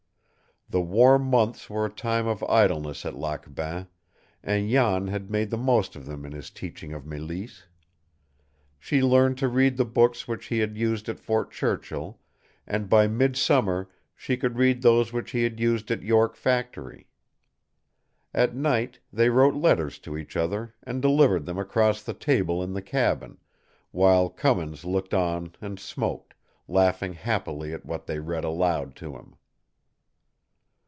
The warm months were a time of idleness at Lac Bain, and Jan made the most of them in his teaching of Mélisse. She learned to read the books which he had used at Fort Churchill, and by midsummer she could read those which he had used at York Factory. At night they wrote letters to each other and delivered them across the table in the cabin, while Cummins looked on and smoked, laughing happily at what they read aloud to him.